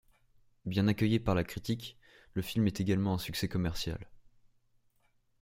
Bien accueilli par la critique, le film est également un succès commercial.